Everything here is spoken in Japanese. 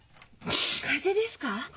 風邪ですか？